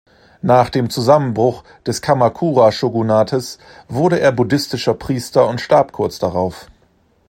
Nach dem Zusammenbruch des Kamakura-Shōgunates wurde er buddhistischer Priester und starb kurz darauf.